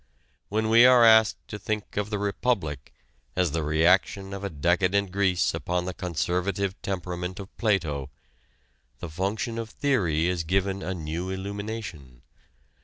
When we are asked to think of the "Republic" as the reaction of decadent Greece upon the conservative temperament of Plato, the function of theory is given a new illumination.